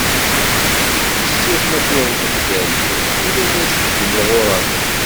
Tissirt, ma tuɣ-itent deg rryac, ula i as-d-gan iɣuraf.